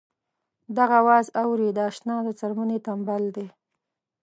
دغه اواز اورې د اشنا د څرمنې تمبل دی.